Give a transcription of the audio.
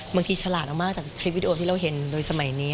ฉลาดมากจากคลิปวิดีโอที่เราเห็นโดยสมัยนี้